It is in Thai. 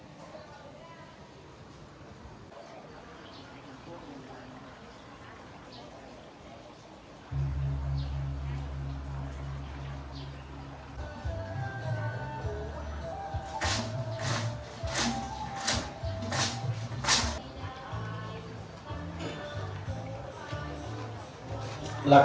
ขุมชาติที่เป็นภูมิในประวัติศาสตร์